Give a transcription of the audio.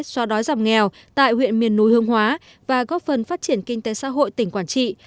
so đói giảm nghèo tại huyện miền núi hương hóa và góp phần phát triển kinh tế xã hội tỉnh quảng trị